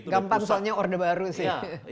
gampang soalnya orde baru sih